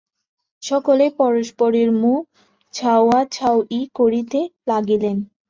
সকলে পরস্পরের মুখ চাওয়াচাওয়ি করিতে লাগিলেন।